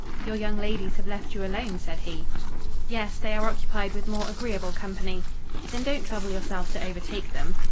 "Your young ladies have left you alone," said he. "Yes, they are occupied with more agreeable company." "Then don't trouble yourself to overtake them."